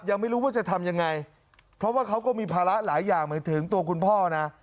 ยังไม่รู้ว่าจะทำยังไงเพราะว่าเขาก็มีภาระหลายอย่างเหมือนถึงตัวคุณพ่อนะ